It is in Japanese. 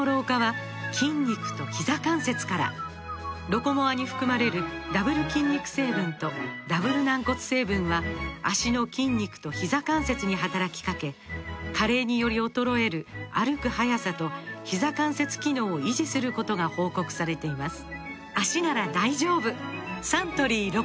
「ロコモア」に含まれるダブル筋肉成分とダブル軟骨成分は脚の筋肉とひざ関節に働きかけ加齢により衰える歩く速さとひざ関節機能を維持することが報告されています